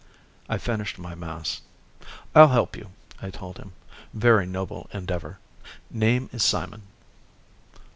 I finished my mass. "I'll help you," I told him. "Very noble endeavor. Name is Simon."